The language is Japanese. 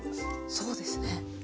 そうですね。